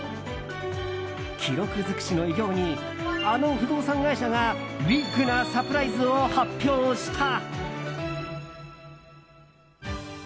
記録尽くしの偉業にあの不動産会社がビッグなサプライズを発表した。